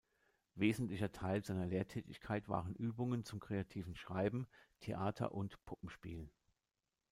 Wesentlicher Teil seiner Lehrtätigkeit waren Übungen zum kreativen Schreiben, Theater und Puppenspiel.